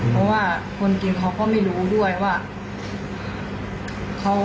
เพราะว่าคนกินเขาก็ไม่รู้ด้วยว่า